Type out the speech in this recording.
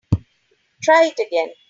Try it again.